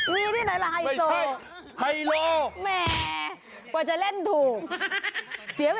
มีที่ไหนละไฮโซ